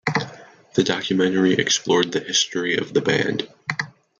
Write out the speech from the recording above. The documentary explored the history of the band.